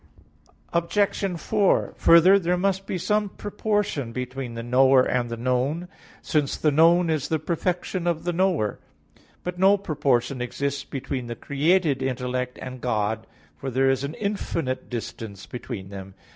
Obj. 4: Further, there must be some proportion between the knower and the known, since the known is the perfection of the knower. But no proportion exists between the created intellect and God; for there is an infinite distance between them.